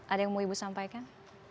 ada yang mau ibu sampaikan